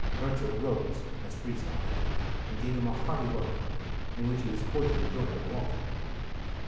Hirzel rose as Frieshardt entered, and gave him a hearty welcome, in which he was cordially joined by Walter.